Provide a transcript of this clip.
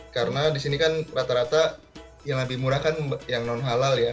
karena di sini kan rata rata yang lebih murah kan yang non halal ya